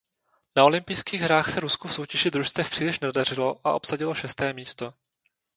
Na olympijských hrách se Rusku v soutěži družstev příliš nedařilo a obsadilo šesté místo.